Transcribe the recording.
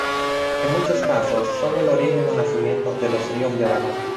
En muchos casos, son el origen o nacimiento de los ríos de Aragón.